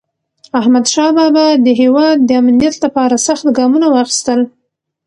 احمدشاه بابا د هیواد د امنیت لپاره سخت ګامونه واخیستل.